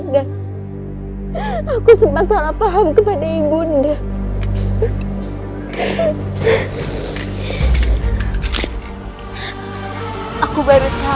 jangan sampai curahlah